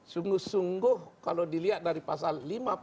sungguh sungguh kalau dilihat dari pasal lima puluh